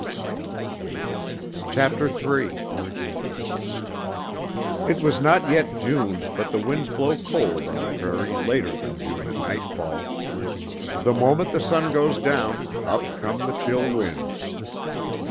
It was not yet June, but the winds blow cold on the prairie later than June at nightfall. The moment the sun goes down, up come the chill winds.